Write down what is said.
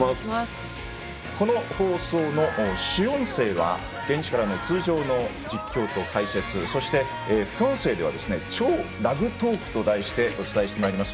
この放送の主音声は現地からの通常の実況と解説そして、副音声では「＃超ラグトーク」と題してお伝えしてまいります